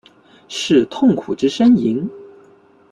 是痛苦之呻吟？